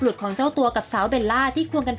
เราก็จะมีความรู้สึกเรื่องของความสูญเสียอยู่บ้างนะครับ